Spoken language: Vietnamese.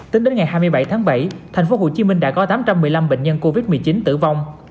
tính đến ngày hai mươi bảy tháng bảy tp hcm đã có tám trăm một mươi năm bệnh nhân covid một mươi chín tử vong